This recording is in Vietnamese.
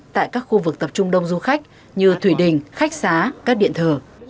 tại các khu vực tập trung đông du khách như thủy đình khách xá các điện thờ